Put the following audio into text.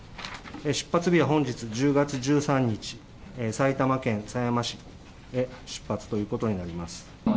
出発日は本日１０月１３日埼玉県狭山市へ出発ということになります。